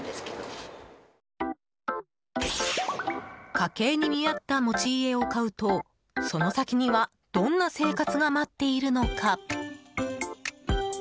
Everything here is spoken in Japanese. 家計に見合った持ち家を買うとその先にはどんな生活が待っているのか。